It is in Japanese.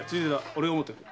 俺が持ってく。